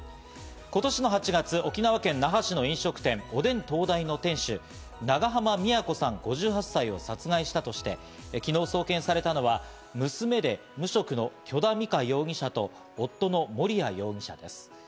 今年の８月、沖縄県那覇市の飲食店、おでん東大の店主・長濱美也子さん、５８歳を殺害したとして、昨日送検されたのは、娘で無職の許田美香容疑者と、夫の盛哉容疑者です。